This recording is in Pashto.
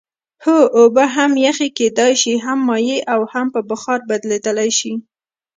هو اوبه هم یخ کیدای شي هم مایع او هم په بخار بدلیدلی شي